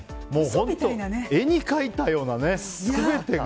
本当絵に描いたようなね、全てが。